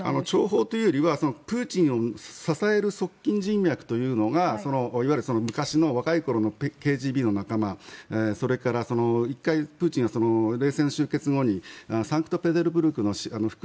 諜報というよりはプーチンを支える側近人脈というのがいわゆる昔の若い頃のＫＧＢの仲間それから１回プーチンは冷戦終結後にサンクトペテルブルクの副